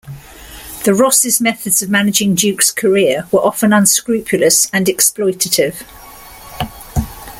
The Rosses' methods of managing Duke's career were often unscrupulous and exploitative.